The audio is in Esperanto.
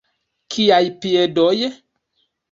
Kiaj piedoj?